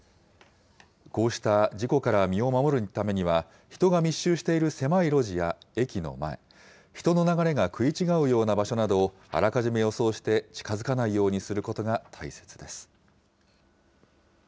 こうした事故から身を守るためには、人が密集している狭い路地や駅の前、人の流れが食い違うような場所などをあらかじめ予想して、近づかないようにすることが大切です。